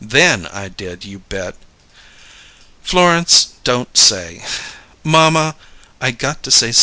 Then I did, you bet!" "Florence, don't say " "Mamma, I got to say somep'n!